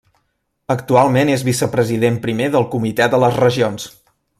Actualment és Vicepresident Primer del Comitè de les Regions.